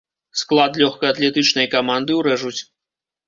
Склад лёгкаатлетычнай каманды ўрэжуць.